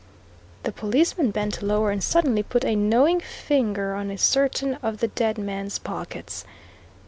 The policeman bent lower and suddenly put a knowing finger on certain of the dead man's pockets.